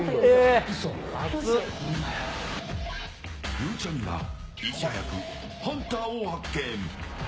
ゆうちゃみがいち早くハンターを発見。